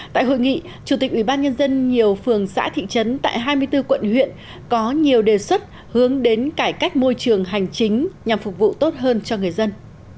tại hội nghị chủ tịch ubnd nhiều phường xã thị trấn tại hai mươi bốn quận huyện có nhiều đề xuất hướng đến cải cách môi trường hành chính nhằm phục vụ tốt hơn cho người dân